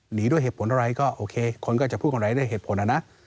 หนีด้วยเหตุผลอะไรก็โอเคคนก็จะพูดคนไหนด้วยเหตุผลนะ